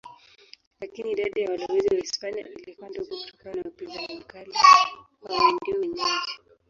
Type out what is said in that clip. Lakini idadi ya walowezi Wahispania ilikuwa ndogo kutokana na upinzani mkali wa Waindio wenyeji.